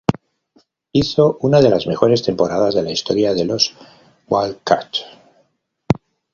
Hizo una de las mejores temporadas de la historia de los "Wildcats".